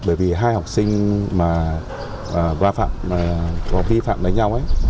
bởi vì hai học sinh mà có vi phạm với nhau ấy